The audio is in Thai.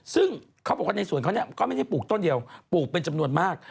ซึ่งเขาบอกว่าในสวนเขาก็ไม่ได้ปลูกต้นเดียวปลูกเป็นจำนวนมาก